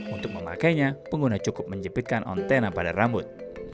untuk memakainya pengguna cukup menjepitkan ontena pada rambut